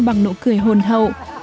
bằng nụ cười hồn hậu